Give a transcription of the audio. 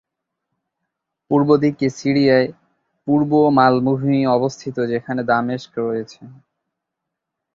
পূর্ব দিকে সিরিয়ায় পূর্ব মালভূমি অবস্থিত যেখানে দামেস্ক রয়েছে।